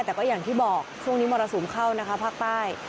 แต่ก็อย่างที่บอกช่วงนี้มรสุมเข้านะคะภาคใต้